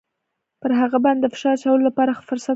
پر هغه باندې د فشار اچولو لپاره ښه فرصت راغلی.